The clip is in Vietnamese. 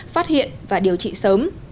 phát hiện và điều trị sớm